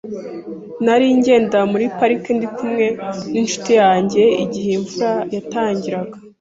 Nari ngenda muri parike ndi kumwe n'inshuti yanjye igihe imvura yatangiraga.